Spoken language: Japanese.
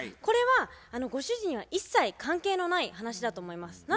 これはご主人は一切関係のない話だと思います。